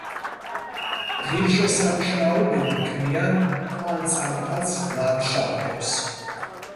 ღირსშესანიშნაობები ქმნიან თვალწარმტაც ლანდშაფტებს.